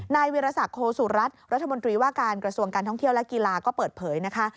นายวิรสักโคสุรัตน์รัฐมนตรีว่าการกระทรวงการท่องเที่ยวและกีฬาก็เปิดเผยนะคะ